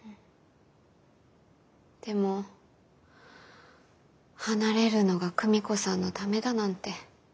でも離れるのが久美子さんのためだなんて。